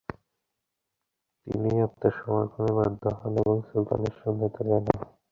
তিনি আত্মসমর্পণে বাধ্য হন এবং সুলতানের সামনে তাকে আনা হয়।